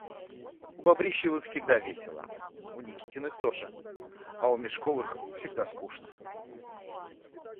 У Бобрищевых всегда весело, у Никитиных тоже, а у Межковых всегда скучно.